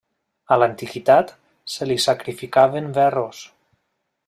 A l'antiguitat, se li sacrificaven verros.